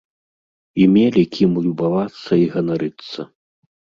І мелі кім любавацца і ганарыцца.